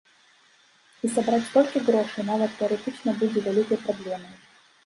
І сабраць столькі грошай нават тэарэтычна будзе вялікай праблемай.